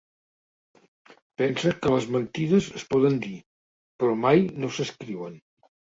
Pensa que les mentides es poden dir, però mai no s'escriuen.